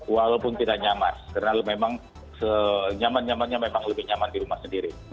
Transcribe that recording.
walaupun tidak nyaman karena memang senyaman nyamannya memang lebih nyaman di rumah sendiri